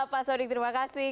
pak sudi terima kasih